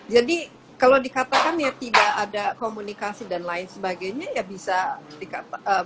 jadi kalau dikatakan ya tidak ada komunikasi dan lain sebagainya ya bisa dikatakan